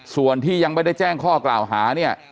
ส่วนที่ยังไม่ได้แจ้งข้อกล่าวหาเนี่ย